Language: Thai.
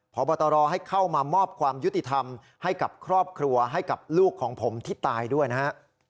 พบตรให้เข้ามามอบความยุติธรรมให้กับครอบครัวให้กับลูกของผมที่ตายด้วยนะฮะ